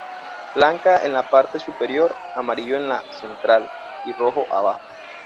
Blanca en la parte superior, amarillo en la central y rojo abajo.